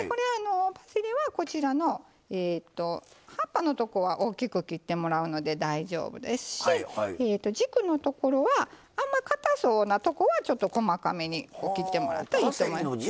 パセリはこちらの葉っぱのとこは大きく切ってもらうので大丈夫ですし軸のところはあんまかたそうなとこは細かめに切ってもらうといいと思います。